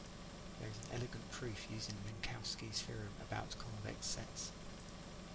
There is an elegant proof using Minkowski's theorem about convex sets.